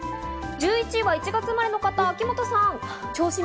１１位は１月生まれの方、秋元さん。